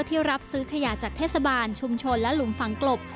รับซื้อขยะจากเทศบาลชุมชนและหลุมฝังกลบ